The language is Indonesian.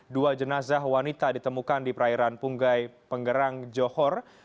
dua jenazah wanita ditemukan di perairan punggai penggerang johor